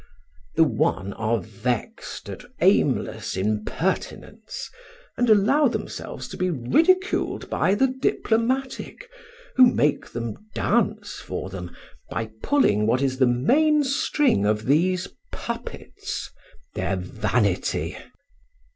The one are vexed at an aimless impertinence, and allow themselves to be ridiculed by the diplomatic, who make them dance for them by pulling what is the main string of these puppets their vanity.